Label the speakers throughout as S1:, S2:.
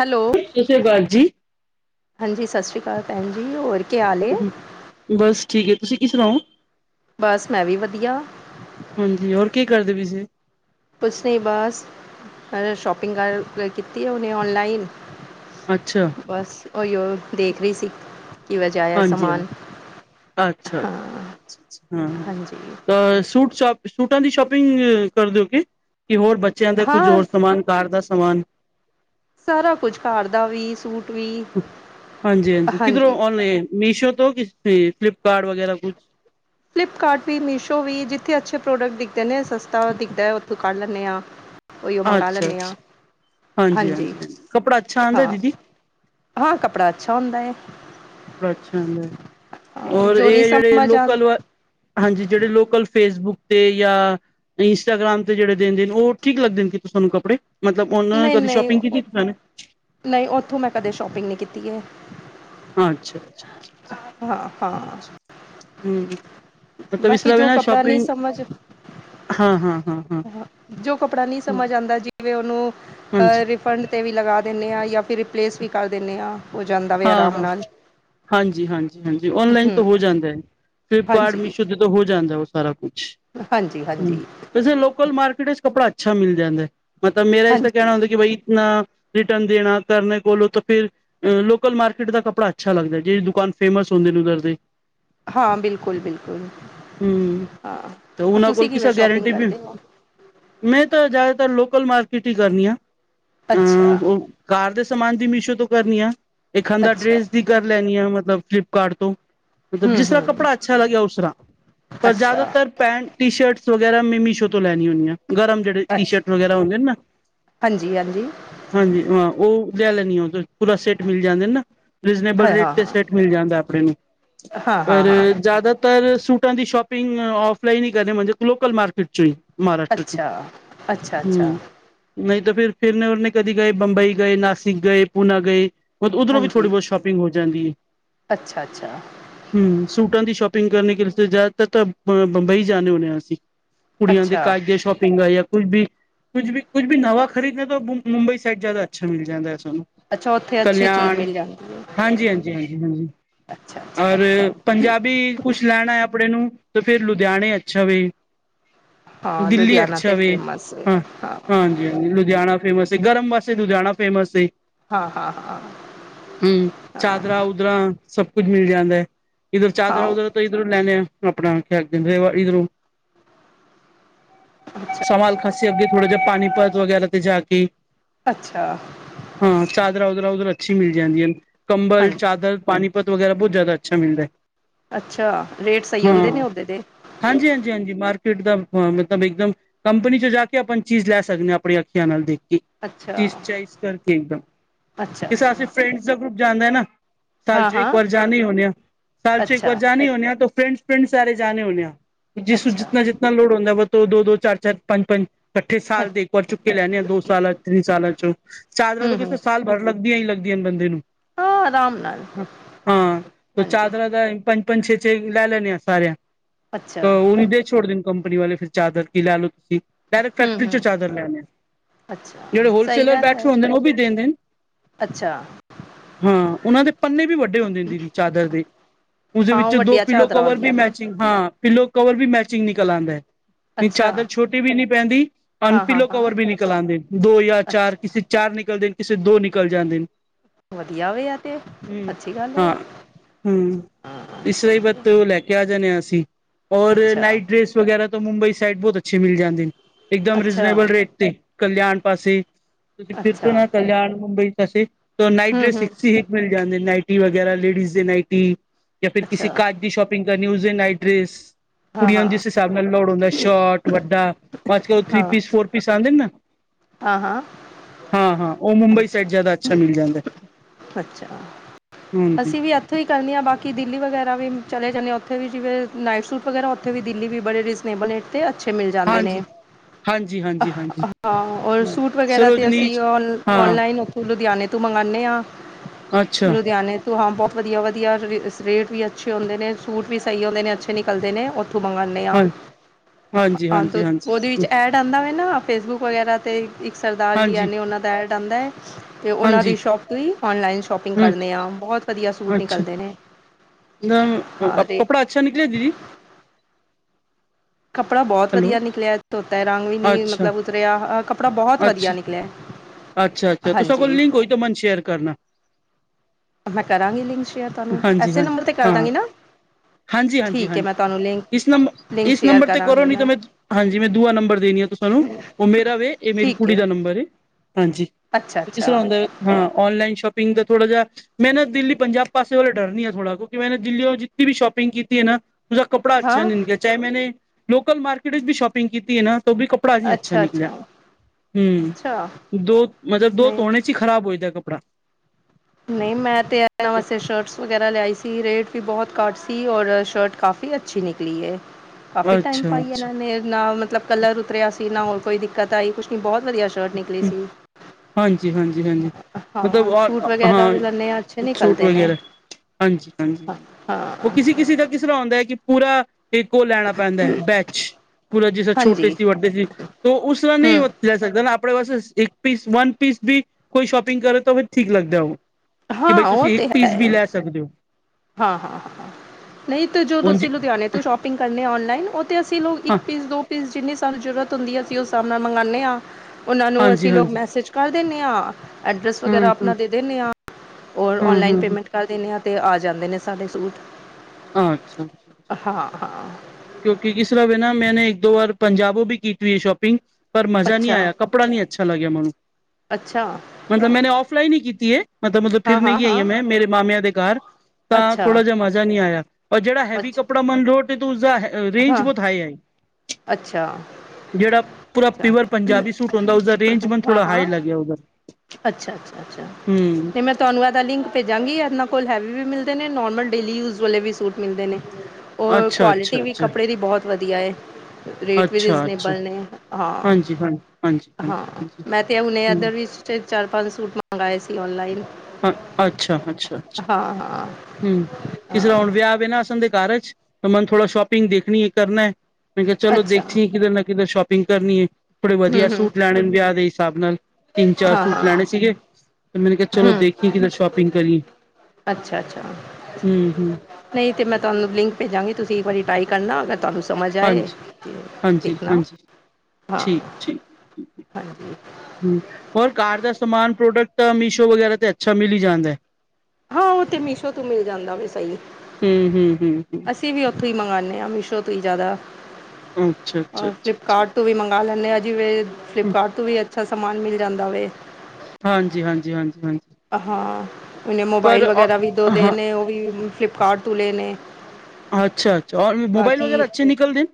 S1: Hello
S2: ਸ਼ਸ਼ ਸ਼੍ਰੀ ਆਕਾਲ ਜੀ।
S1: ਹਾਂਜੀ ਸਸ ਸ੍ਰੀ ਕਾਲ ਭੈਣ ਜੀ। ਹੋਰ ਕੇ ਹਾਲ ਏ?
S2: ਬਸ ਠੀਕ ਏ। ਤੁਸੀ ਕੀ ਸੁਨਾਓ?
S1: ਬਸ ਮੈਂ ਵੀ ਵਧੀਆ।
S2: ਹਾਂਜੀ ਹੋਰ ਕੀ ਕਰਦੇ ਵੀ ਸੀ?
S1: ਕੁਛ ਨਈ ਬਸ ਮੈਂ ਰਾ ਸ਼ੋਪਿੰਗ ਕਰ ਅ ਕੀਤੀ ਐ ਹੁਨੇ ਔਨਲਾਈਨ
S2: ਅੱਛਾ।
S1: ਬਸ ਓਈਯੋ ਦੇਖ ਰੀ ਸੀ ਕਿਵੇਂ ਜਾ ਆਇਐ
S2: ਹਾਂਜੀ ਹਾਂ
S1: ਸਮਾਨ।
S2: ਅੱਛਾ,
S1: ਹਾਂ
S2: ਹੂੰ।
S1: ਹਾਂਜੀ
S2: ਅ ਸੂਟ ਸ਼ੋਪ ਸੂਟਾਂ ਦੀ ਸ਼ੋਪਿੰਗ ਕਰਦੇ ਓ ਕਿ ਕਿ ਹੋਰ ਬੱਚਿਆਂ ਦੇ ਕੁੱਝ
S1: ਹਾਂ
S2: ਹੋਰ ਸਮਾਨ ਘਾਰ ਦਾ ਸਮਾਨ
S1: ਸਾਰਾ ਕੁਝ, ਘਾਰ ਦਾ ਵੀ, ਸੂਟ ਵੀ
S2: ਹਾਂਜੀ-ਹਾਂਜੀ, ਕਿਧਰੋਂ
S1: ਹਾਂਜੀ
S2: ਔਨਲੇਨ ਮੀਸ਼ੋ ਤੋਂ ਕਿ ਫਲਿੱਪਕਾਰਟ ਵਗੈਰਾ ਕੁਛ
S1: ਫਲਿੱਪਕਾਰਟ ਵੀ, ਮੀਸ਼ੋ ਵੀ। ਜਿੱਥੇ ਅੱਛੇ ਪ੍ਰੋਡਕਟ ਦਿਖਦੇ ਨੇ, ਸਸਤਾ ਓ ਦਿਖਦੈ ਓਥੋਂ ਕੱਰ ਲੈਂਨੇਂ ਆਂ। ਓਈਯੋ ਮੰਗਾ
S2: ਅੱਛਾ
S1: ਲੈਂਨੀ
S2: ਅੱਛਾ
S1: ਆਂ। ਹਾਂਜੀ,
S2: ਕੱਪੜਾ ਅੱਛਾ ਆਉਂਦਾ
S1: ਹਾਂ।
S2: ਦੀਦੀ
S1: ਹਾਂ ਕੱਪੜਾ ਅੱਛਾ ਹੁੰਦਾ ਐ।
S2: ਕੱਪੜਾ ਅੱਛਾ ਹੁੰਦਾ ਐ। ਔਰ
S1: ਜੋ
S2: ਏ
S1: ਨਹੀਂ
S2: ਜੜੇ
S1: ਸਮਝ ਆ
S2: ਲੋਕਲ ਵ ਹਾਂਜੀ ਜੜੇ ਲੋਕਲ ਫੇਸਬੁੱਕ ਤੇ ਯਾ ਇੰਸਾਗ੍ਰਾਮ ਤੇ ਜੜੇ ਦੇਂਦੇ ਨ ਓ ਠੀਕ ਲਗਦੇ ਨ ਕਿ ਤੁਸਾਂ ਨੂੰ ਕੱਪੜੇ? ਮਤਲਬ ਓਨਾਂ ਕਦੀ ਸ਼ੋਪਿੰਗ ਕੀਤੀ ਤੁਸਾਂ ਨੇ?
S1: ਨਈ ਓਥੋਂ ਮੈਂ ਕਦੇ ਸ਼ੋਪਿੰਗ ਨੀ ਕੀਤੀ ਐ।
S2: ਹੰ ਅੱਛਾ, ਅੱਛਾ, ਛਾ,
S1: ਹਾਂ
S2: ਛਾ ਹੂੰ। ਮੈਂ ਤਾਂ
S1: ਬਾਕੀ
S2: ਵਿਸਰਾ ਵੀ
S1: ਜੋ
S2: ਨਾ
S1: ਕੱਪੜਾ ਨਹੀਂ
S2: ਸ਼ੋਪਿੰਗ, ਹਾਂ-ਹਾਂ-ਹਾਂ।
S1: ਹੰ, ਜੋ ਕੱਪੜਾ ਨੀ ਸਮਝ ਆਂਦਾ ਜਿਵੇਂ ਓਨੂੰ
S2: ਹਾਂਜੀ
S1: ਅ ਰਿਫੰਡ ਤੇ ਵੀ ਲਗਾ ਦੇਂਨੇਂ ਆਂ ਯਾਂ ਤੇ ਰਿਪਲੇਸ ਵੀ ਕਰ ਦੇਨੇਂ ਆਂ।
S2: ਹਾਂ-ਹਾਂ, ਹਾਂਜੀ-ਹਾਂਜੀ-ਹਾਂਜੀ। ਓਨਲਾਈਨ
S1: ਹੂੰ
S2: ਤੋਂ ਹੋ ਜਾਂਦੇ ਨ। ਫਲਿਪਕਾਰਟ,
S1: ਹਾਂਜੀ
S2: ਮੀਸ਼ੋ ਤੇ ਹੋ ਜਾਂਦੈ ਓ ਸਾਰਾ ਕੁਛ।
S1: ਹਾਂਜੀ, ਹਾਂਜੀ।
S2: ਤੇ ਫੇਰ ਲੋਕਲ ਮਾਰਕੀਟ ਏੱਚ ਕੱਪੜਾ ਅੱਛਾ ਮਿਲ ਜਾਂਦੈ। ਮਤਲਬ ਮੇਰਾ ਇਸਤਾਂ
S1: ਹਾਂਜੀ
S2: ਕੈਣਾ ਹੁੰਦੈ ਕਿ ਬਈ ਇਤਨਾ ਰਿਟਰਨ ਦੇਣਾ, ਕਰਨੈ ਕੋਲੋਂ ਤਾਂ ਫਿਰ ਅ ਲੋ ਕਲ ਮਾਰਕੀਟ ਦਾ ਕੱਪੜਾ ਅੱਛਾ ਲੱਗਦੈ ਜੇ ਦੁਕਾਨ ਫੇਮਸ ਹੁੰਦੇ ਨੇ ਉਧਰ ਦੇ।
S1: ਹਾਂ ਬਿਲਕੁਲ-ਬਿਲਕੁਲ।
S2: ਹੂੰ
S1: ਹਾਂ
S2: ਤੇ
S1: ਔਰ
S2: ਉਹਨਾਂ ਕੋਲ
S1: ਤੁਸੀ ਕਿਵੇਂ
S2: ਕਿਸਾ
S1: ਸ਼ੋਪਿੰਗ
S2: ਗਾਰੰਟੀ ਵੀ
S1: ਕਰਦੇ ਹੋ?
S2: ਮੈਂ ਤੋ ਜ਼ਿਆਦਾਤਰ ਲੋਕਲ ਮਾਰਕੀਟ ਈ ਕਰਨੀ ਆਂ।
S1: ਅੱਛਾ।
S2: ਘਾਰ ਦੇ ਸਮਾਨ ਦੀ ਮੀਸ਼ੋ ਤੋਂ ਕਰਨੀ ਆ। ਇੱਕ ਹੰਦਾ
S1: ਅੱਛਾ
S2: ਡ੍ਰਰੇਸ ਦੀ ਕਰ ਲੈਨੀ ਆਂ ਮਤਲਬ ਫਲਿੱਪਕਾਰਟ ਤੋਂ ਮਤਲਬ
S1: ਹੂੰ
S2: ਜਿਸਰਾਂ
S1: ਹੂੰ
S2: ਕੱਪੜਾ ਅੱਛਾ ਲਗਿਆ ਉਸ ਤਰਾ ਪਰ
S1: ਅੱਛਾ
S2: ਜਾਦਾਤਰ ਪੈਂਟ, ਟੀ ਸ਼ਰਟਸ ਵਗੈਰਾ ਮੈਂ ਮੀਸ਼ੋ ਤੋਂ ਲੈਨੀ ਹੁੰਨੀ ਆ, ਗਰਮ ਜ [unintelligible] ਟੀ
S1: ਅੱਛਾ
S2: ਸ਼ਰਟ ਵਗੈਰਾ ਹੁੰਦੇ ਨਾ
S1: ਹਾਂਜੀ ਹਾਂਜੀ
S2: ਹਾਂਜੀ ਹਾਂ ਓ ਲਿਆ ਲੈਨੀਂ ਆਂ ਉਦਾ ਪੂਰਾ ਸੇ ਜਾਂਦੇ ਨੇ ਨਾ। ਰੀਜ਼ਨੇਬਲ
S1: ਹਾਂ
S2: ਰੇਟ
S1: ਹਾਂ
S2: ਤੇ
S1: ਹਾਂ
S2: ਸੈਟ ਮਿਲ ਜਾਂਦਾ ਆਪਣੇ ਨੂੰ।
S1: ਹਾਂ ਹਾਂ
S2: ਪਰ
S1: ਹਾਂ
S2: ਜਾਦਾ ਪਰ ਸੂਟਾਂ ਦੀ ਸ਼ੋਪਿੰਗ ਓਫਲਾਈਨ ਈ ਕਰਨੇੇ ਮਨਜੇ ਕ ਲੋਕਲ ਮਾਰਕਿਟ 'ਚੋਂ ਈ। ਮਹਾਰਾਸ਼ਟਰ 'ਚ
S1: ਅੱਛਾ ਅੱਛਾ ਅੱਛਾ
S2: ਹੂੰ। ਨਈ ਤਾਂ ਫਿਰ ਫਿਰਨ ਉਰਨੇ ਕਦੀ ਗਏ ਬੰਬਈ ਗਏ, ਨਾਸਿਕ ਗਏ, ਪੂਨਾ ਗਏ ਓਧ ਓਧਰੋਂ ਵੀ ਥੋੜੀ
S1: ਹਾਂਜੀ
S2: ਬੋਤ ਸ਼ੋਪਿੰਗ ਹੋ ਜਾਂਦੀ ਏ।
S1: ਅੱਛਾ ਅੱਛਾ
S2: ਹੂੰ, ਸੂਟਾਂ ਦੀ ਸ਼ੋਪਿੰਗ ਕਰਨੇ ਕੇ [unintelligible] ਜਿਆਦਾਤਰ ਤਾਂ ਬ ਬੰਬਈ ਜਾਣੇ ਹੁਨੇ ਆਂ ਅਸੀ। ਕੁੜੀਆਂ ਦੇ
S1: ਅੱਛਾ
S2: ਕਾਜ ਦੀ ਸ਼ੋਪਿੰਗ ਆ ਯਾਂ ਕੁੱਝ ਬੀ ਕੁੱਝ ਬੀ, ਕੁੱਝ ਬੀ ਨਵਾਂ ਖਰੀਦਨੈ ਤੋ ਬੁੰ ਮੁੰਬਈ ਸਾਈਡ ਜਿਆਦਾ ਅੱਛਾ ਮਿਲ ਜਾਂਦੈ ਅਸਾਂ ਨੂੰ।
S1: ਅੱਛਾ ਓਥੇ
S2: ਕਲਿਆਣ। ਹਾਂਜੀ-ਹਾਂਜੀ-ਹਾਂਜੀ-ਹਾਂਜੀ।
S1: ਅੱਛਾ ਅੱਛਾ
S2: ਔਰ ਪੰਜਾਬੀ ਕੁਛ ਲੈਣੈ ਆਪਣੇ ਨੂੰ ਤੇ ਫੇਰ ਲੁਧਿਆਣੇ ਅੱਛਾ ਵੇ
S1: ਹਾਂ
S2: ਦਿੱਲੀ
S1: ਲੁਧਿਆਣਾ
S2: ਅੱਛਾ
S1: ਤਾਂ
S2: ਵੇ।
S1: ਫੇਮਸ ਹੈ
S2: ਹਾਂ, ਹਾਂ। [unintelligible] ਲੁਧਿਆਣਾ ਫੇਮਸ ਏ। ਗਰਮ ਵਾਸੇ ਲੁਧਿਆਣਾ ਫੇਮਸ ਏ।
S1: ਹਾਂ-ਹਾਂ-ਹਾਂ।
S2: ਹੂੰ, ਚਾਦਰਾਂ-ਉਦਰਾਂ ਸਭ ਕੁਝ ਮਿਲ ਜਾਂਦੈ। ਇਧਰ ਚਾਦਰਾਂ
S1: ਹਾਂ
S2: ਉਧਰੋਂ ਤੇ ਇਧਰੋਂ ਲੈਣੇ ਆ ਆਪਣਾ ਕਿਆ [unintelligible] ਵਾ ਇੱਧਰੋਂ।
S1: ਅੱਛਾ।
S2: ਚਾਵਾਂਲ ਖਾਂਸੀ ਅਗੇ ਥੋੜੇ ਜੇ ਪਾਨੀਪਤ ਵਗੈਰਾ ਤੇ ਜਾ ਕੇ
S1: ਅੱਛਾ।
S2: ਚਾਦਰਾਂ-ਉਦਰਾਂ ਉਧਰ ਅੱਛੀ ਮਿਲ ਜਾਂਦੀਆਂ ਨ। ਕੰਬਲ,
S1: ਹਾਂਜੀ
S2: ਚਾਦਰ ਪਾਨੀਪਤ ਵਗੈਰਾ ਬੋਤ ਜਾਦਾ ਅੱਛਾ ਮਿਲਦੈ।
S1: ਅੱਛਾ ਰੇਟ ਸਈ ਹੁੰਦੇ ਨੇ ਓਦੇ ਦੇ?
S2: ਹਾਂਜੀ-ਹਾਂਜੀ-ਹਾਂਜੀ ਮਾਰਕੀਟ ਦਾ ਅ ਮਤਲਬ ਇਕਦਮ ਕੰਪਨੀ 'ਚ ਜਾ ਕੇ ਆਪਨ ਚੀਜ਼ ਲੈ ਸਕਨੇ ਆਂ ਆਪਣੀਆਂ ਅੱਖੀਆਂ ਨਾਲ ਦੇਖ ਕੇ।
S1: ਅੱਛਾ
S2: ਚੀਜ਼ ਚਾਇਸ ਕਰਕੇ ਇਕਦਮ।
S1: ਅੱਛਾ
S2: ਜਿਸਾਂ ਅਸੀ
S1: ਅੱਛਾ
S2: ਫਰੈਂਡਸ ਦਾ ਗਰੁੱਪ ਜਾਂਨੇਂ ਆ ਨਾ ਸਾਲ
S1: ਹਾਂ
S2: 'ਚ ਇੱਕ
S1: ਹਾਂ
S2: ਵਾਰ ਜਾਂਨੇ ਈ ਹੁੰਨੇ ਆਂ, ਸਾਲ 'ਚ ਇੱਕ ਵਾਰ
S1: ਅੱਛਾ
S2: ਜਾਂਨੇ ਈ ਹੋਨੇ ਆਂ ਫਰੈਂਡਸ, ਫਰੈਂਡਸ ਸਾਰੇ ਜਾਨੇ ਹੁਨੇ ਆਂ। ਜਿਸਨੂੰ
S1: ਅੱਛਾ
S2: ਜਿਤਨਾ-ਜਿਤਨਾ ਲੋਡ ਹੋਂਦੈ ਵੱਧ ਤੋਂ ਵ ਦੋ-ਦੋ, ਚਾਰ-ਚਾਰ, ਪੰਜ-ਪੰਜ ਕੱਠੇ
S1: ਅੱ
S2: ਸਾਲ ਦੇ ਇੱਕ ਵਾਰ ਛੁੱਟੀ ਲੈਨੇ ਆਂ ਦੋ ਸਾਲਾਂ, ਥ੍ਰੀ ਸਾਲਾ 'ਚ ਚਾਦਰਾਂ
S1: ਹੂੰ
S2: ਨੂੰ [unintelligible]
S1: ਹੂੰ
S2: ਸਾਲ ਭਰ ਲੱਗਦੀਆਂ ਈ ਲੱਗਦੀਆਂ ਨ ਬੰਦੇ ਨੂੰ।
S1: ਹਾਂ ਆਰਾਮ ਨਾਲ
S2: ਹਾਂ, ਤੂੰ
S1: ਹਾਂਜੀ
S2: ਚਾਦਰਾਂ ਦਾ [unintelligible] ਪੰਜ, ਛੇ-ਛੇ ਲੈ ਲੈਨੇ ਆਂ ਸਾਰੇਆਂ
S1: ਅੱਛਾ
S2: ਤੋ ਉਨਦੇ ਛੋੜ ਦੇਨ ਕੰਪਨੀ ਵਾਲੇ ਫਿਰ। ਚਾਦਰ ਕੀ ਲੈ ਲੋ ਤੁਸੀ ਡਾਇਰੈਕਟ
S1: ਹੂੰ
S2: ਫੈਕਟਰੀ 'ਚੋਂ
S1: ਹੂੰ
S2: ਚਾਦਰ ਲੈਨੇ ਆਂ।
S1: ਅੱਛਾ
S2: ਜੜੇ
S1: ਸਹੀ
S2: ਹੋਲਸੇਲਰ
S1: ਰਹਿੰਦਾ
S2: ਬੈਠੇ
S1: ਹੈ
S2: ਹੁੰਦੇ ਨੇ ਓ ਬੀ ਦੇਨ,
S1: ਅੱਛਾ
S2: ਹਾਂ ਓਨਾਂ ਦੇ ਪੰਨੇ ਵੀ ਵੱ ਡੇ ਹੋਂਦੇ ਨੇ ਦੀਦੀ ਚਾਦਰ ਦੀ। ਉਸਦੇ
S1: ਹਾਂ
S2: ਵਿੱਚ
S1: ਉਹ
S2: ਦੋ
S1: ਵੱਡੀਆਂ
S2: ਪਿੱਲੋ
S1: ਚਾਦਰਾਂ
S2: ਕਵਰ ਵੀ
S1: ਆਉਂਦੀਆਂ ਨੇ
S2: ਮੈਚਿੰਗ, ਹਾਂ ਪਿੱਲੋ ਕਵਰ ਵੀ ਮੈਚਿੰਗ ਨਿਕਲ ਆਂਦੈ। ਨਈ
S1: ਅੱਛਾ
S2: ਚਾਦਰ ਛੋਟੀ ਵੀ ਨੀ ਪੈਂਦੀ, ਅਨ
S1: ਹਾਂ ਹਾਂ
S2: ਪੀਲੋ
S1: ਹਾਂ
S2: ਕਵਰ ਵੀ ਨਿਕਲ ਆਂਦੇ ਨ, ਦੋ ਯਾਂ ਚਾਰ
S1: ਅੱਛਾ
S2: ਕਿਸੀ ਚਾਰ ਨਿਕਲਦੇ ਨ, ਕਿਸੇ ਦੋ ਨਿਕਲ ਜਾਂਦੇ ਨ।
S1: ਵਧੀਆ ਵੇ ਐ ਤੇ, ਅੱਛੀ ਗੱਲ ਐ।
S2: ਹਾਂ ਹੂੰ, ਇਸ ਵਾਰੀ
S1: ਹੈ
S2: ਬਤ ਉਹ ਲੈ ਕੇ ਆ ਜਾਂਨੇ ਆ ਅਸੀ ਔਰ
S1: ਅੱਛਾ
S2: ਨਾਈਟ ਡ੍ਰੈਸ ਵਗੈਰਾ ਤੋ ਮੁੰਬਈ ਸਾਈਡ ਬੋਤ ਅੱਛੇ ਮਿਲ ਜਾਂਦੇ ਨੇ, ਇਕਦਮ
S1: ਅੱਛਾ
S2: ਰੀਜਨੇਬਲ ਰੇਟ ਤੇ, ਕਲਿਆਣ ਪਾਸੀ। ਤੁਸੀ
S1: ਅੱਛਾ
S2: ਫਿਰਸੋ ਨਾ ਕਲਿਆਣ ਮੁੰਬਈ ਪਾਸੇ? ਤੋ ਨਾਈਟ
S1: ਹਮ
S2: ਡ੍ਰੈਸ
S1: ਹਮ
S2: ਸਿਕਸੀ ਹਿਟ ਮਿਲ ਜਾਂਦੇ, ਨਾਈਟੀ ਵਗੈਰਾ ਲੇਡੀਜ ਦੇ ਨਾਈਟੀ ਯਾਂ ਫਿਰ ਕਿਸੀ
S1: ਅੱਛਾ
S2: ਕਾਰਟ ਦੀ ਸ਼ੋਪਿੰਗ ਕਰਨੀ ਓਸਦੇ ਨਾਈਟ ਡ੍ਰੈਸ
S1: ਹਾਂ
S2: ਕੁੜੀਆਂ ਨੂੰ
S1: ਹਾਂ
S2: ਜਿਸ ਹਿਸਾਬ ਨਾਲ ਲੋੜ ਹੁੰਦੈ ਸ਼ੋਟ, ਵੱਡਾ। ਅੱਜ-ਕੱਲ ਓ ਥ੍ਰੀ ਪੀਸ, ਫੋਰ ਪੀਸ ਆਂਦੇ ਨ ਨਾ
S1: ਆ ਹਾਂ।
S2: ਹਾਂ ਹਾਂ ਉਹ ਮੁੰਬਈ ਸਾਇਡ ਜਾਦਾ ਅੱਛਾ ਮਿਲ ਜਾਂਦੈ। ਹੂੰ, ਹ।
S1: ਕੇ ਐਥੋਂ ਈ ਕਰਨੇ ਆ ਬਾਕੀ ਦਿੱਲੀ ਵਗੈਰਾ ਵੀ ਚਲੇ ਜਾਂਨੇਂ ਆਂ, ਓੱ‍ਥੇ ਵੀ ਜਿਵੇਂ ਨਾਈਟ ਸੂਟ ਵਗੈਰਾ ਓੱਥੇ ਵੀ ਦਿੱਲੀ ਵੀ ਬੜੇ ਰਿ ਨੇਬਲ ਰੇਟ ਤੇ ਅੱਛੇ ਮਿਲ ਜਾਂਦੇ ਨੇ
S2: ਹਾਂਜੀ ਹਾਂਜੀ
S1: ਅ
S2: ਹਾਂਜੀ ਹਾਂਜੀ
S1: ਅ ਹਾਂ ਓਰ ਸੂਟ ਵਗੈਰਾ ਤੇ
S2: ਸਰੋਜਨੀ
S1: ਅਸੀ ਓਲ
S2: ਹਾਂ
S1: ਓਨਲਾਈਨ ਓਥੋਂ ਲੁਧਿਆਨੇ ਤੋ ਮੰਗਾਨੇ ਆ।
S2: ਅੱਛਾ।
S1: ਲੁਧਿਆਨੇ ਤੋ, ਹਾਂ ਬੋਤ ਵਦੀਆ-ਵਦੀਆ ਰ ਰ ਰੇਟ ਵੀ ਅੱਛੇ ਹੁੰਦੇ ਨੇ, ਸੂਟ ਵੀ ਸਈ ਓਂਦੇ ਨੇ, ਅੱਛੇ ਨਿਕਲਦੇ ਨੇ ਓ ਮੰਗਾਨੇ
S2: ਹਾਂ
S1: ਆ,
S2: ਹਾਂਜੀ,
S1: ਆ
S2: ਹਾਂਜੀ, ਹਾਂਜੀ,
S1: ਓਦੇ ਵਿੱਚ ਐਡ ਤਾਂਦਾ ਵੇ ਨਾ, ਫੇਸਬੁੱਕ ਵਗੈਰਾ ਤੇ ਇ ਇੱਕ ਸਰਦਾਰ ਜੀ
S2: ਹਾਂਜੀ,
S1: ਆਨੇ ਓਨਾਂ ਦਾ ਐਡ ਆਂਦਾ ਏ। ਤੇ ਓਨਾਂ
S2: ਹਾਂਜੀ,
S1: ਦੀ ਸ਼ੋਪ ਤੋ ਈ ਓਨਲਾਈਨ ਸ਼ੋਪਿੰਗ
S2: ਹੂੰ
S1: ਕਰਨੇ ਆ, ਬੋਤ ਵਦੀਆ ਸੂਟ ਨਿਕਲਦੇ ਨੇ।
S2: ਨ,
S1: ਹਾਂ ਤੇ
S2: ਕੱਪੜਾ ਅੱਛਾ ਨਿਕਲੇਆ ਜੀ?
S1: ਕੱਪੜਾ ਬੋਤ ਵਧੀਆ ਨਿਕਲੇਐ, ਧੋਤੈ ਰਾੰਗ ਵੀ ਨੀ
S2: ਅੱਛਾ,
S1: ਮਤਲਬ ਉਤਰੇਆ ਅ ਖੱਪ ਕੱਪੜਾ ਬੋਤ ਵਧੀਆ ਨਿਕਲੇਐ।
S2: ਅੱਛਾ-ਅੱਛਾ ਤੁਸਾ ਕੋਲ ਲਿੰਕ ਹੋਈ ਤੇ ਮੈਨ ਸ਼ੇਅਰ ਕਰਨਾ।
S1: ਹਾਂ, ਕਰਾਂਗੀ ਲਿੰਕ ਸ਼ੇਅਰ ਤਾਨੂੰ, ਐੇਸੇ ਨੰਬਰ ਤੇ ਕਾਰ ਦਾਂਗੀ ਨਾ।
S2: ਹਾਂਜੀ-ਹਾਂਜੀ,
S1: ਠੀਕ ਏ ਮੈਂ
S2: ਹਾਂਜੀ
S1: ਤੁਹਾਨੂੰ ਲਿੰਕ
S2: ਇਸ ਨੰਬ,
S1: ਲਿੰਕ
S2: ਇਸ
S1: ਸ਼ੇਅਰ
S2: ਨੰਬਰ ਤੇ ਕਰੋ
S1: ਕਰਾਂਗੀ
S2: ਨਈ ਤੇ ਮੈਂ, ਹਾਂਜੀ, ਮੈਂ ਦੂਆ ਨੰਬਰ ਦੇਨੀ ਆ ਤੁਸੀ ਤਾਨੂੰ, ਓ ਮੇਰਾ ਵੇ, ਏ ਮੇਰੀ ਕੁੜੀ ਦਾ ਨੰਬਰ ਏ। ਹਾਂਜੀ, ਤੇ
S1: ਅੱਛਾ-ਅੱਛਾ
S2: ਕਿਸਰਾ ਹੁੰਦਾ ਏ, ਹਾਂ ਓਨਲਾਈਨ ਸ਼ੋਪਿੰਗ ਦਾ ਥੋੜਾ ਜਾ ਮੈਂ ਨਾ ਦਿੱਲੀ-ਪੰਜਾਬ ਪਾਸੇ ਵਾਲੋ ਡਰਨੀ ਆ ਥੋੜਾ ਕੋਕਿ ਮੈਨੇ ਦਿੱਲੀਓ ਜਿਤਨੀ ਵੀ ਸ਼ੋਪਿੰਗ ਕੀਤੀ ਏ ਨਾ ਓਦਾ ਕਪੜਾ ਅੱਛਾ
S1: ਹਾਂ
S2: ਨਈ ਨਿਕਲੇਆ, ਚਾਏ ਮੈਨੇ ਲੋਕਲ ਮਾਰਕੀਟ ਵਿੱਚ ਵੀ ਸ਼ੋਪਿੰਗ ਕੀਤੀ ਏ ਨਾ ਤੋ ਬੀ ਕਪ ਕੱਪੜਾ ਨੀ ਅੱਛਾ ਨਿਕਲੇਆ,
S1: ਅੱਛਾ-ਅੱਛਾ, ਅੱਛਾ
S2: ਹੂੰ।
S1: ਅੱਛਾ
S2: ਦੋ, ਮਤਲ ਦੋ
S1: ਨਹੀਂ
S2: ਤੋਣੇ ਚ ਈ ਖਰਾਬ ਹੋ ਜਾਦੈ ਕਪੜਾ।
S1: ਨਈ, ਮੈਂ ਤੇ ਐਨਾਂ ਵਾਸਤੇ ਸ਼ਰਟਸ ਵਗੈਰਾ ਲਿਆਈ ਸੀ ਰੇਟ ਵੀ ਬੋਤ ਘਾੱਟ ਸੀ ਓਰ ਸ਼ਰਟ ਕਾਫੀ ਏ ਅੱਛੀ ਨਿਕਲੀ ਏ। ਕਾਫੀ ਟਾਈਮ ਪਾਈ ਐਨਾਂ ਨੇ, ਨਾ ਮਤਲਬ ਕਲਰ ਉਤਰੇਆ ਸੀ, ਨਾ ਹੋਰ ਕੋਈ ਦਿੱਕਤ ਆਈ, ਕੁਛ ਨੀ ਬੋਤ ਵਦੀਆ
S2: ਹਾਂਜੀ, ਹਾਂਜੀ, ਹਾਂਜੀ, ਮਤਲਬ
S1: ਹਾਂ
S2: ਔ
S1: ਸ਼ੂਟ ਵਗੈਰਾ
S2: ਹਾਂ,
S1: ਵੀ ਲੈਂਦੇ ਹਾਂ ਅੱਛੇ
S2: ਸੂਟ
S1: ਨਿਕਲਦੇ ਨੇ
S2: ਵਗੈਰਾ, ਹਾਂਜੀ-ਹਾਂਜੀ
S1: ਹਾਂ
S2: ਓ ਕਿਸੀ ਕਿਸੀ ਦਾ ਕਿਸਰਾ ਹੁੰਦਾ ਏ ਕਿ ਪੂਰਾ ਇੱਕ ਓ ਲੈਨਾ ਪੈਂਦੈ ਬੈਚ, ਪੂਰਾ ਜਿਸਰਾ ਛੋਟੇ
S1: ਹਾਂਜੀ
S2: ਸੀ, ਵੱਡੇ ਸੀ ਤੋ ਓਸਰਾ ਨਈ
S1: ਹੂੰ
S2: ਓ ਲੈ ਸਕਦਾ ਨਾ ਆਪ ਅਪਣੇ ਵਾਸੇ ਇੱਕ ਪੀਸ, ਵਨ ਪੀਸ ਵੀ ਕੋਈ ਸ਼ੋਪਿੰਗ ਕਰੇ ਤੋ ਵੀ ਠੀਕ ਲਗਦੈ ਓ। ਕਿ
S1: ਹਾਂ
S2: ਬਈ
S1: ਉਹ
S2: ਤੁਸੀ ਇੱਕ
S1: ਤੇ ਹੈ
S2: ਪੀਸ ਵੀ ਲੈ ਸਕਦੇ ਓ।
S1: ਹਾਂ, ਹਾਂ-ਹਾਂ ਨਈ ਤੇ ਜੋ
S2: ਉਝ
S1: ਤੁਸੀ [unintelligible] ਲੁਧਿਆਨੇ ਤੋਂ ਸ਼ੋਪਿੰਗ ਕਰਨੇ ਆ ਔਨਲਾਈਨ, ਓ ਤੇ ਅਸੀ ਲੋਗ ਇੱਕ
S2: ਹਾਂ
S1: ਪੀਸ ਦੋ ਪੀਸ ਜਿੰਨੇ ਸਾਨੂੰ ਜਰੂਰਤ ਹੁੰਦੀ ਆ ਅਸੀ ਓਸ ਤਾਂ ਮੈਂ ਮੰਗਾਨੇ ਆਂ। ਓਨਾਂ ਨੂੰ
S2: ਹਾਂਜੀ
S1: ਅਸੀ ਲੋਕ
S2: ਹਾਂਜੀ
S1: ਮੈਸੇਜ ਕਰ ਦੇਨੇ ਆਂ, ਐਡਰੈਸ
S2: ਹਮ
S1: ਵਗੈਰਾ
S2: ਹਮ
S1: ਅਪਨਾ ਦੇ ਦੇਨੇ ਆਂ।
S2: ਹਮ
S1: ਔਨਲਾਈਨ
S2: ਹਮ ਹਮ
S1: ਪੇਮੈਂਟ ਕਰ ਦੇਨੇ ਆਂ, ਤੇ ਆ ਜਾਂਦੇ ਨੇ ਸਾਡੇ ਸੂਟ।
S2: ਅੱਛਾ-ਅੱਛਾ ਅੱਛ।
S1: ਹਾਂ ਹਾਂ
S2: ਕਯੋਕਿ ਇਸਰਾ ਵੇ ਨਾ ਮੈਂ ਨਾ ਏਕ-ਦੋ ਵਾਰ ਪੰਜਾਬੋ ਵੀ ਕੀਤੀ ਹੋਈ ਸ਼ੋਪਿੰਗ। ਪਰ ਮਜ਼ਾ ਨੀ
S1: ਅੱਛਾ
S2: ਆਯਾ, ਕੱਪੜਾ ਨੀ ਅੱਛਾ ਲੱਗੇਆ ਮਾਨੂੰ।
S1: ਅੱਛਾ।
S2: ਮਤਲਬ ਮੈਨੇ ਔਫਲਾਈਨ ਈ ਕੀਤੀ ਏ, ਮਤਲਬ-ਮਤਲਬ
S1: ਹਾਂ
S2: ਫਿਰਨ
S1: ਹਾਂ
S2: ਗੇਆਈ
S1: ਹਾਂ
S2: ਆਂ ਮੈਂ ਮੇਰੇ ਮਾਮੇਆਂ ਦੇ ਘਾਰ। ਤਾਂ
S1: ਅੱਛਾ
S2: ਥੋੜਾ ਜੇਆ ਮਜ਼ਾ ਨੀ ਆਯਾ ਔਰ ਜੇੜਾ ਹੈਵੀ
S1: ਅੱਛਾ
S2: ਕੱਪੜਾ ਮਾੰਨ ਰੋ ਟੇ ਡੂਜ਼ਾ ਰੇਂਜ
S1: ਹਾਂ
S2: ਬੋਤ ਹਾਈ ਆਈ।
S1: ਅੱਛਾ।
S2: ਜੇੜਾ ਪੂਰਾ
S1: ਅੱਛਾ
S2: ਪਿਵਰ ਪੰਜਾਬੀ ਸੂਟ ਹੁੰਦਾ, ਉਸਦਾ ਰੇਂਜ ਮਾੰਨ ਥੋੜਾ ਹਾਈ ਲੱਗੇਆ ਉਦਾ।
S1: ਅੱਛਾ-ਅੱਛਾ, ਅੱਛਾ ਤੇ ਮੈਂ ਤਾਨੂੰ ਐਦਾ ਲਿੰਕ ਪੇਜਾਂਗੀ ਐਨਾਂ ਕੋਲ ਹੈਵੀ ਵੀ ਮਿਲਦੇ ਨੇ, ਨੋਰਮਲ ਡੇਲੀ ਯੂਜ਼ ਵਾਲੇ ਵੀ ਸੂਟ ਮਿਲਦੇ ਨੇ। ਔਰ,
S2: ਅੱਛਾ ਅੱਛਾ
S1: ਕੁਵਾਲਿਟੀ ਵੀ
S2: ਅੱਛਾ
S1: ਕੱਪੜੇ ਦੀ ਬਹੁਤ ਵਧੀਆ ਏ। ਰੇਟ ਵੀ
S2: ਅੱਛਾ ਅੱਛਾ
S1: ਰੀਜ਼ਨੇਬਲ ਨੇ।
S2: ਹਾਂਜੀ ਹਾਂਜੀ ਹਾਂਜੀ
S1: ਹਾਂ-ਹਾਂ
S2: ਹਾਂਜੀ ਹਾਂਜੀ
S1: ਮੈਂ ਤੇ ਹੁਣੇ ਇਧਰ
S2: ਹਮ
S1: ਵੀ। ਤੇ ਚਾਰ-ਪੰਜ ਸੂਟ ਮੰਗਾਏ ਸੀ, ਔਨਲਾਈਨ।
S2: ਅੱਛਾ-ਅੱਛਾ, ਅੱਛ
S1: ਹਾਂ ਹਾਂ
S2: ਹੂ, ਕਿਸੇ ਦਾ
S1: ਹਾਂ
S2: ਹੁਣ ਵਿਆਹ ਹੋਵੇ ਨਾ, ਅਸਣ ਦੇ ਘਰ 'ਚ। ਮੈਨੂੰ ਥੋੜਾ ਸ਼ੋਪਿੰਗ ਦੇਖਣੀ ਏ, ਕਰਨਾ ਏ ਮੈਂ ਕਿਹਾ ਚਲੋ,
S1: ਅੱਛਾ
S2: ਦੇਖੀਏ
S1: ਹੂੰ
S2: ਕਿਧਰ ਨਾ ਕਿਧਰ ਸ਼ੋਪਿੰਗ ਕਰਨੀ ਏ। ਥੋੜੇ ਵਧੀਆ
S1: ਹੂੰ
S2: ਸੂਟ ਲੈਣੇ ਵਿਆਹ ਦੇ ਹਿਸਾਬ ਨਾਲ। ਤਿੰਨ-ਚਾਰ
S1: ਹਾਂ
S2: ਸੂਟ
S1: ਹਾਂ
S2: ਲੈਣੇ ਸੀਗੇ ਤੇ ਮੈਨੂੰ ਕ ਚਲੋ
S1: ਹੂੰ
S2: ਦੇਖੀਏ, ਕਿਤੇ ਸ਼ੋਪਿੰਗ ਕਰੀਏ।
S1: ਅੱਛਾ ਅੱਛਾ
S2: ਹੂੰ-ਹੂੰ।
S1: ਨਹੀਂ ਤੇ ਮੈਂ ਤੁਵਾਨੂੰ ਲਿੰਕ ਭੇਜਾਂਗੀ। ਤੁਸੀਂ ਇੱਕ ਵਾਰੀ ਟਰਾਈ ਕਰਨਾ, ਅਗਰ ਤੁਵਾਨੂੰ‌ ਸ
S2: ਹਾਂਜੀ-ਹਾਂਜੀ-ਹਾਂਜੀ,
S1: ਹਾਂ
S2: ਠੀਕ-ਠੀਕ।
S1: ਹਾਂਜੀ।
S2: ਹੂੰ, ਹੋਰ ਘਾਰ ਦਾ ਸਮਾਨ, ਪ੍ਰੋਡਕਟ ਤਾਂ ਮੀਸ਼ੋ ਵਗੈਰਾ ਤੇ ਅੱਛਾ ਮਿਲ ਈ ਜਾਂਦਾ।
S1: ਹਾਂ, ਉਹ ਤੇ ਮੀਸ਼ੋ ਤੋਂ ਮਿਲ ਜਾਂਦਾ ਵੇ, ਸਹੀ ਏ।
S2: ਹੂੰ-ਹੂੰ, ਹੂੰ-ਹੂੰ।
S1: ਅਸੀਂ ਵੀ ਉੱਥੋਂ ਈ ਮੰਗਾਨੇ ਆ। ਮੀਸ਼ੋ ਤੋਂ ਈ ਜ਼ਿਆਦਾ,
S2: ਹੂੰ ਅੱਛਾ ਅੱਛਾ
S1: ਅ
S2: ਅੱਛਾ ਅੱਛਾ
S1: ਫਲਿੱਪਕਾਟ ਤੋਂ ਵੀ ਮੰਗਾ ਲੈਂਨੇ ਆ। ਜਿਵੇਂ
S2: ਹੂੰ,
S1: ਫਲਿੱਪਕਾਟ ਤੋਂ ਵੀ ਅੱਛਾ ਸਮਾਨ ਮਿਲ ਜਾਂਦਾ ਵੇ।
S2: ਹਾਂਜੀ-ਹਾਂਜੀ, ਹਾਂਜੀ-ਹਾਂਜੀ।
S1: ਹਾਂ, ਉਹਨੇ ਮੋਬਾਈਲ ਵਗੈਰਾ ਵੀ ਦੋ ਲੇ
S2: ਹਾਂ
S1: ਨੇ। ਉਹ ਵੀ ਫਲਿੱਪਕਾਟ ਤੋਂ ਲੇ ਨੇ।
S2: ਅੱਛਾ-ਅੱਛਾ, ਔਰ ਮੋਬਾਈਲ ਵਗੈਰਾ
S1: ਬਾਕੀ
S2: ਅੱਛੇ ਨਿਕਲਦੇ।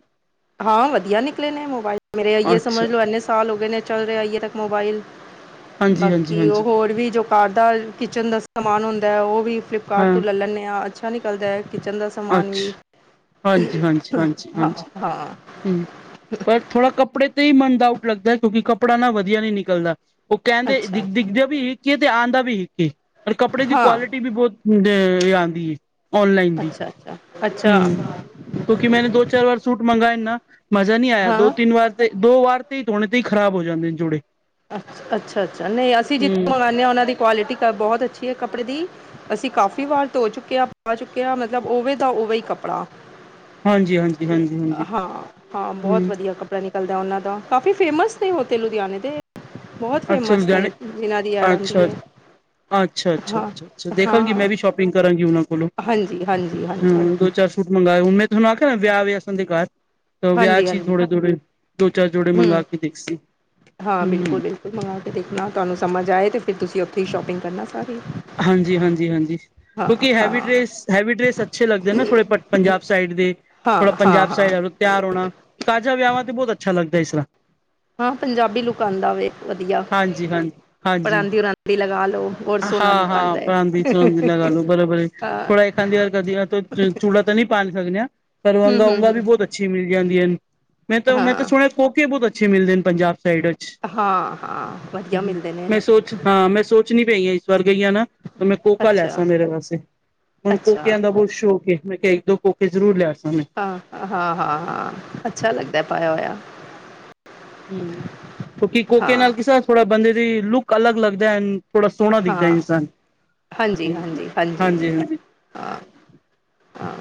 S1: ਹਾਂ ਵਧੀਆ ਨਿਕਲੇ ਨੇ ਮੋਬਾਇਲ। ਮੇਰੇ ਅਈਏ
S2: ਅੱਛਾ,
S1: ਸਮਝ ਲੋੋ ਇੰਨੇ ਸਾਲ ਹੋਗੇ ਨੇ ਚੱਲ ਰਿਹਾ ਅੇਈਏ ਤੱਕ ਮੋਬਾਈਲ। ਬਾਕੀ ਉਹ
S2: ਹਾਂਜੀ-ਹਾਂਜੀ-ਹਾਂਜੀ,
S1: ਹੋਰ ਵੀ ਜੋ ਘਾਰ ਦਾ, ਕਿਚਨ ਦਾ ਸਮਾਨ ਹੁੰਦਾ। ਉਹ ਵੀ ਫਲਿੱਪਕਾਟ
S2: ਹਾਂ,
S1: ਤੋਂ ਲੈ ਲੈਂਨੇ ਆ। ਅੱਛਾ ਨਿਕਲਦਾ ਕਿਚਨ ਦਾ ਸਮਾਨ ਵੀ
S2: ਹਾਂਜੀ-ਹਾਂਜੀ,
S1: ਹਾਂ
S2: ਹਾਂਜੀ-ਹਾਂਜੀ।
S1: ਹਾਂ
S2: ਹੂੰ, ਪਰ ਥੋੜ੍ਹਾ ਕੱਪੜੇ ਤੁਹੀ ਮਨ ਡਾਊਟ ਲੱਗਦਾ। ਕਿਉਂਕਿ ਕੱਪੜਾ ਨਾ ਵਧੀਆ ਨਿਕਲਦਾ। ਉਹ ਕਹਿੰਦੇ
S1: ਅੱਛਾ ਅੱਛਾ
S2: ਦਿਖ-ਦਿਖਦੇ ਵੀ ਕੀ ਇਹ ਤੇ ਆਂਦਾ ਵੀ ਇੱਕ। ਪਰ ਕੱਪੜੇ ਦੀ
S1: ਹਾਂ
S2: ਕੁਆਲਿਟੀ ਵੀ ਬਹੁਤ ਡੇ ਅ ਆਂਦੀ। ਔਨਲਾਈਨ ਦੀ,
S1: ਅੱਛਾ-ਅੱਛਾ।
S2: ਹੂੰ, ਕਿਉਂਕਿ ਮੈਂਨੇ ਦੋ-ਚਾਰ ਵਾਰ ਸੂਟ ਮੰਗਾਏ ਨਾ, ਮਜ਼ਾ ਨ੍ਹੀਂ ਆਇਆ।
S1: ਹਾਂ
S2: ਦੋ-ਤਿੰਨ ਵਾਰ ਤੇ ਦੋ ਵਾਰ ਤੇ ਧੋਣੇ ਤੇ ਈ ਖਰਾਬ ਹੋ ਜਾਂਦੇ ਨੇ, ਜੋੜੇ।
S1: ਅੱ ਅੱਛਾ-ਅੱਛਾ, ਨਹੀਂ ਅਸੀਂ ਜਿੱਥੋਂ
S2: ਹੂੰ।
S1: ਮੰਗਾਨੇ ਆ, ਉਹਨਾਂ ਦੀ ਕੁਵਾਲਿਟੀ ਕ ਬਹੁਤ ਅੱਛੀ ਐ ਕੱਪੜੇ ਦੀ। ਅਸੀਂ ਕਾਫ਼ੀ ਵਾਰ ਧੋ ਚੁੱਕੇ ਆ, ਪਾ ਚੁੱਕੇ ਆ। ਮਤਲਬ ਉਵੇ ਦਾ ਉਵੇ ਈ ਕੱਪੜਾ
S2: ਹਾਂਜੀ-ਹਾਂਜੀ-ਹਾਂਜੀ-ਹਾਂਜੀ,
S1: ਹਾਂ-ਹਾਂ, ਬਹੁਤ
S2: ਹੂੰ,
S1: ਵਧੀਆ ਕਪ ਕੱਪੜਾ ਨਿਕਲਦਾ ਉਹਨਾਂ ਦਾ। ਕਾਫੀ ਫੇਮਸ ਨੇ ਉਹ ਤੇ ਲੁਧਿਆਣੇ ਦੇ। ਬਹੁਤ
S2: ਅੱਛਾ
S1: ਫੇਮਸ ਨੇ।
S2: ਲੁਧਿਆਣੇ
S1: ਜਿਨ੍ਹਾਂ ਦੀ ਐਡ ਆਉਂਦੀ ਐ।
S2: ਅੱਛ-ਅੱਛਾ-ਅੱਛਾ-ਅੱਛਾ। ਦੇਖਾਂਗੀ, ਮੈਂ
S1: ਹਾਂ
S2: ਵੀ ਸ਼ੋਪਿੰਗ ਕਰਾਂਗੀ ਉਹਨਾਂ ਕੋਲ਼ੋਂ।
S1: ਹਾਂਜੀ ਹਾਂਜੀ ਹਾਂਜੀ
S2: ਹੂੰ ਦੋ-ਚਾਰ ਸੂਟ ਮੰਗਾਏ ਮੈਂ ਤਾਨੂੰ ਆਖਿਆ ਨਾ, ਵਿਆਹ ਵੇ ਅਸਾ ਦੇ ਘਰ। ਵਿਆਹ
S1: ਹਾਂਜੀ
S2: 'ਚ ਈ
S1: ਹਾਂਜੀ
S2: ਧੋੜੇ-ਧੋੜੇ ਦੋ-ਚਾਰ ਜੋੜੇ ਮੰਗਵਾ
S1: ਹੂੰ
S2: ਕੇ ਦੇਖ ਸੀ।
S1: ਹਾਂ
S2: ਹੂੰ
S1: ਬਿਲਕੁਲ-ਬਿਲਕੁਲ, ਮੰਗਾ ਕੇ ਦੇਖਣਾ। ਤੁਹਾਨੂੰ ਸਮਝ ਆਏ ਤੇ ਫਿਰ ਤੁਸੀਂ ਉੱਥੇ ਈ ਸ਼ੋਪਿੰਗ ਕਰਨਾ ਸਾਰੀ।
S2: ਹਾਂਜੀ-ਹਾਂਜੀ-ਹਾਂਜੀ।
S1: ਹਾਂ
S2: ਕਿਉਂਕਿ
S1: ਹਾਂ
S2: ਹੈਵੀ ਡ੍ਰੇਸ। ਹੈਵੀ ਡ੍ਰੇਸ, ਅੱਛੇ ਲੱਗਦੇ ਨੇ ਥੋੜੇ, ਪੰਜਾਬ ਸਾਈਡ ਦੇ।
S1: ਹਾਂ-ਹਾਂ।
S2: ਸਹੀ ਗੱਲ, ਤਿਆਰ ਹੋਣਾ। ਸਾਜਾ ਵਿਆਹਾਂ ਤੇ ਬੋਹਤ
S1: ਹਾਂ, ਪੰਜਾਬੀ ਲੁਕ ਆਂਦਾ ਵੇ ਇਕ ਵਧੀਆ।
S2: ਹਾਂਜੀ ਹਾਂਜੀ
S1: ਪਰਾਂਦੀ ਰਾ ਦੀ ਲਗਾ ਲੋ।
S2: ਹਾਂ-ਹਾਂ ਪਰਾਂਦੀ-ਚੁਰੰਦੀ ਲਗਾ ਲੋ, ਬਰਾ-ਬਰੀ। [unintelligible]
S1: ਹਾਂ
S2: ਅੱਛੀ
S1: ਹੂੰ ਹੂੰ ਹੂੰ
S2: ਮਿਲ ਜਾਂਦੀਆਂ ਹਨ। ਮੈਂ ਤਾਂ ਮੈਂ ਤਾਂ
S1: ਹਾਂ
S2: ਸੁਣਿਆ ਕੋਕੇ ਬਹੁਤ ਅੱਛੇ ਮਿਲਦੇ ਨੇ ਪੰਜਾਬ ਸਾਈਡ ਵਿੱਚ
S1: ਹਾਂ ਹਾਂ ਵਧੀਆ ਮਿਲਦੇ ਨੇ
S2: ਮੈਂ ਸੋਚ ਹਾਂ, ਮੈਂ ਸੋਚਨੀ ਪਈ ਹ [inaudible] ਤਾਂ ਮੈਂ ਕੋਕਾ ਲੈ
S1: ਅੱਛਾ
S2: ਸਕਾਂ ਮੇਰੇ ਵਾਸਤੇ ਹੁਣ
S1: ਅੱਛਾ
S2: ਕੋਕਿਆਂ ਦਾ ਬਹੁਤ ਸ਼ੌਕ ਏ। ਮੈਂ ਕਿਹਾ ਇੱਕ ਦੋ ਕੋਕੇ ਜ਼ਰੂਰ ਲਿਆ ਸਾ ਮੈਂ।
S1: ਹਾਂ-ਹਾਂ, ਹਾਂ-ਹਾਂ, ਅੱਛਾ ਲਗਦਾ ਪਾਇਆ ਹੋਇਆ।
S2: ਹੂ, ਕਿਉਂਕਿ ਕੋਕੇ
S1: ਹਾਂ
S2: ਨਾਲ ਕਿਸ ਥੋੜਾ ਬੰਦੇ ਦੀ ਲੁੱਕ ਅਲੱਗ ਲੱਗਦਾ ਐ। ਥੋੜਾ ਸੋਹਣਾ ਦਿਖਦਾ।
S1: ਹਾਂ
S2: ਇਨਸਾਨ
S1: ਹਾਂਜੀ
S2: ਹੂ,
S1: ਹਾਂਜੀ ਹਾਂਜੀ
S2: ਹਾਂਜੀ-ਹਾਂਜੀ।
S1: ਹਾਂ ਹਾਂ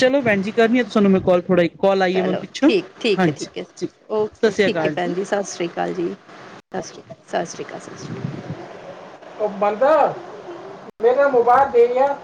S2: ਚਲੋ ਭੈਣਜੀ, ਕਰਨੀ ਆ ਤੁਹਾਨੂ ਮੈਂ ਕੋਲ ਥੋੜਾ ਈ
S1: ਚਲੋ ਠੀਕ-ਠੀਕ ਹੈ, ਠੀਕ ਹੈ
S2: ਜੀ ਸਤਿ
S1: ਓਕੇ
S2: ਸ੍ਰੀ
S1: ਠੀਕ ਹੈ
S2: ਅਕਾਲ
S1: ਭੈਣ ਜੀ ਸਤਿ ਸ਼੍ਰੀ ਅਕਾਲ। ਸਤਿ ਸ੍ਰੀ ਅਕਾਲ ਜੀ, ਸਤਿ ਸ਼੍ਰੀ ਅਕਾਲ ਸਤਿ, ਸ਼੍ਰੀ ਅਕਾਲ ਸਤਿ ਸ਼੍ਰੀ ਅਕਾਲ। ਉਹ ਬੰਦਾ ਮੇਰਾ ਮੁਬੈਲ ਦੇਣਿਆ।